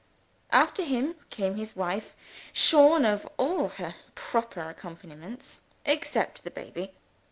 After him, came his wife, shorn of all her proper accompaniments except the baby.